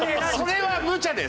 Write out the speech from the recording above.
それはむちゃです！